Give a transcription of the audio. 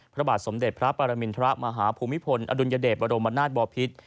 พระบาทสมเด็จพระปรมินทรมาฮภูมิพลอดุลยเดชบรมนาศบอพิษ